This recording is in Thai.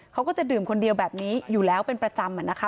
เขาก็จะดื่มคนเดียวแบบนี้อยู่แล้วเป็นประจำอะนะคะ